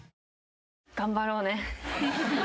頑張ろうね。